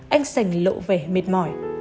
anh sành lộ vẻ mệt mỏi